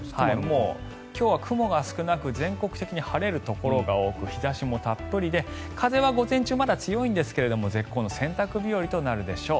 今日は雲が少なく全国的に晴れるところが多く日差しもたっぷりで風は午前中強いんですが絶好の洗濯日和となるでしょう。